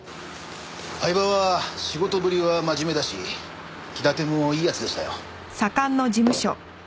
饗庭は仕事ぶりは真面目だし気立てもいい奴でしたよ。